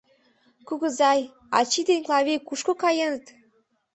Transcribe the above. Кугызай, ачий ден Клавий кушко каеныт?